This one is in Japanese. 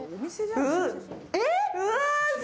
えっ！